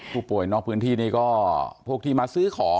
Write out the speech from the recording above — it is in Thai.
ผู้ป่วยนอกพื้นที่นี่ก็พวกที่มาซื้อของ